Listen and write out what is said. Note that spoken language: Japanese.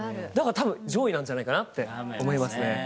だから多分上位なんじゃないかなって思いますね。